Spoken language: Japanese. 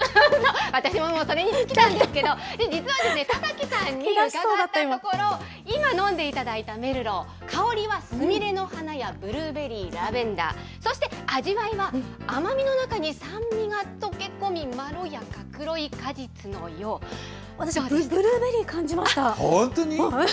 私もそれに尽きたんですけど、実は、田崎さんに伺ったところ、今飲んでいただいたメルロー、香りはすみれの花やブルーベリー、ラベンダー、そして味わいは甘みの中に酸味が溶け込みまろやか、ブルーベリー感じました。